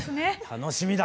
楽しみだ！